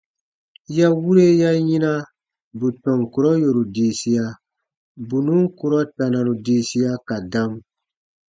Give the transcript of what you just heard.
Ya wure ya yina bù tɔn kurɔ yòru diisia, bù nùn kurɔ tanaru diisia ka dam.